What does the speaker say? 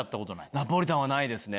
ナポリタンはないですね。